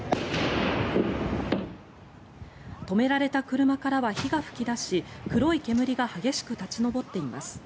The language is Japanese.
止められた車からは火が噴き出し黒い煙が激しく立ち上っています。